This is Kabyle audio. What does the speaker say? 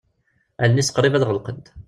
Allen-is qrib ad ɣelqent.